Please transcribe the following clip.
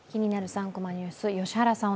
３コマニュース」、良原さん